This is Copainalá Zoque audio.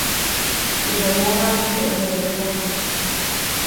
Teʼ yomodaʼm tsyeʼmyadäyaju.